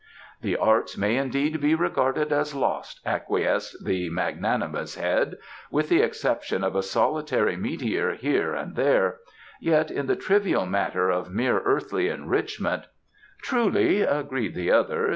'" "The arts may indeed be regarded as lost," acquiesced the magnanimous Head, "with the exception of a solitary meteor here and there. Yet in the trivial matter of mere earthly enrichment " "Truly," agreed the other.